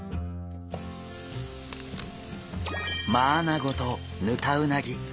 マアナゴとヌタウナギ。